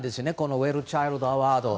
ウェルチャイルド・アワードは。